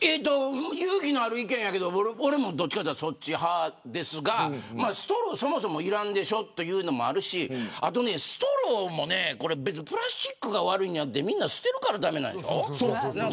勇気のある意見やけど俺も、どっちかといったらそっち派ですがストローそもそもいらんでしょというのもあるしストローもプラスチックが悪いんじゃなくてみんな捨てるから駄目なんでしょ。